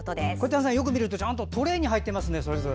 丹さん、よく見るとちゃんと、それぞれトレーに入っていますね。